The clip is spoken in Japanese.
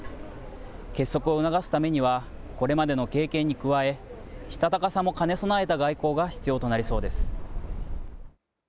結束を促すためには、これまでの経験に加え、したたかさも兼ね備えた外交が必要となりそうです。